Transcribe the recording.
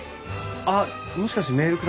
あっもしかしてメール下さった？